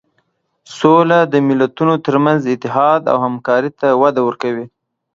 سوله د ملتونو تر منځ اتحاد او همکاري ته وده ورکوي.